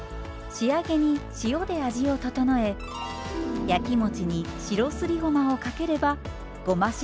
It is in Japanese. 仕上げに塩で味を調え焼き餅に白すりごまをかければごましるこの完成です。